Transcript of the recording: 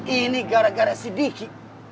ini gara gara si diki